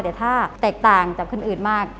แต่ถ้าแตกต่างจากคนอื่นมาก